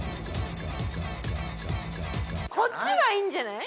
こっちはいいんじゃない？